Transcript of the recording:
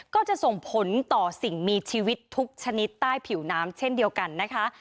ก็จะส่งผลต่อสิ่งมีชีวิตทุกชนิดใต้ผิวน้ำเช่นเดียวกันนะคะ